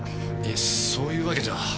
いえそういうわけでは。